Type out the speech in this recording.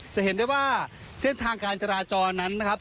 จะเห็นได้ว่าเส้นทางการจราจรนั้นนะครับ